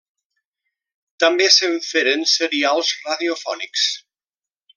També se'n feren serials radiofònics.